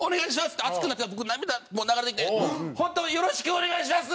って熱くなって僕涙流れてきて「本当によろしくお願いします